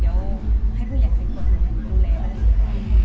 เดี๋ยวให้ผู้ใหญ่ทั้งคนนูแลอะไร